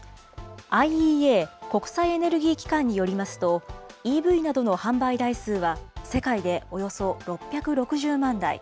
ＩＥＡ・国際エネルギー機関によりますと、ＥＶなどの販売台数は、世界でおよそ６６０万台。